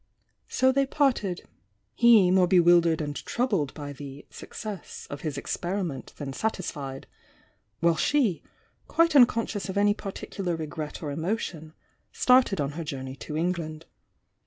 So they parted,— he more bewildered and troubled by the "success" of his experiment than satisfied,— while she, quite unconscious of any particular regret or emotion, started on her journey to England.